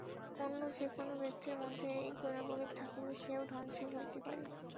অন্য যে-কোন ব্যক্তির মধ্যে এই গুণগুলি থাকিলে সেও ধনশালী হইতে পারিবে।